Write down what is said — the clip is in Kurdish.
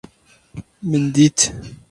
Min dît!